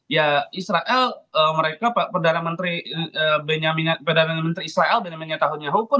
ya israel mereka perdana menteri israel benyaminya tahun yahukun